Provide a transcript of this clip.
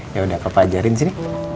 yaudah papa ajarin sini